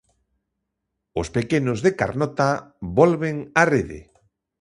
Os pequenos de Carnota volven á rede.